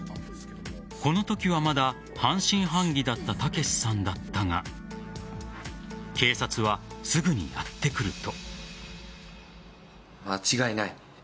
このときは、まだ半信半疑だった剛さんだったが警察はすぐにやって来ると。